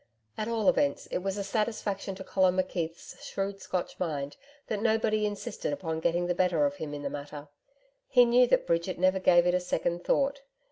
At all events, it was a satisfaction to Colin McKeith's shrewd Scotch mind that nobody insisted upon getting the better of him in the matter. He knew that Bridget never gave it a second thought.